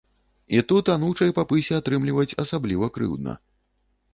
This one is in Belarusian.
І тут анучай па пысе атрымліваць асабліва крыўдна.